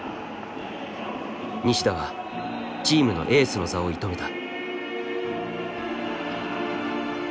西田はチームのエースの座を射止めた。